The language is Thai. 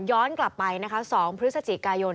ย้อนกลับไปนะคะ๒พฤศจิกายน